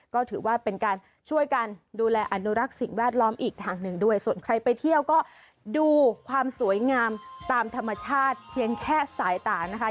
ก็ถือว่าเป็นการช่วยกันดูแลอนุรักษ์สิ่งแวดล้อมอีกทางหนึ่งด้วยส่วนใครไปเที่ยวก็ดูความสวยงามตามธรรมชาติเพียงแค่สายตานะคะ